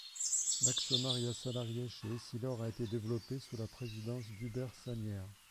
L'actionnariat salarié chez Essilor a été développé sous la présidence d'Hubert Sagnières.